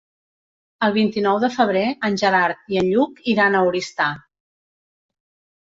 El vint-i-nou de febrer en Gerard i en Lluc iran a Oristà.